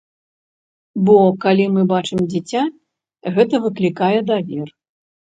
Бо калі мы бачым дзіця, гэта выклікае давер.